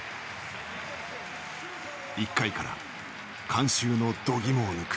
１回から観衆の度肝を抜く。